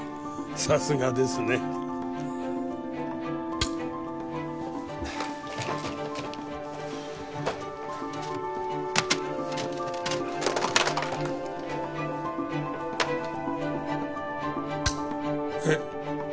さすがですね。えっ。